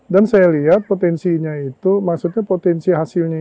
dan saya lihat potensinya itu maksudnya potensi hasilnya